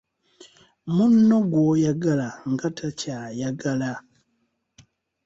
Munno gw’oyagala nga takyayagala